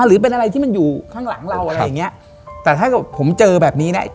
หรือเป็นอะไรที่มันอยู่ข้างหลังเราอะไรอย่างเงี้ยแต่ถ้าเกิดผมเจอแบบนี้เนี้ย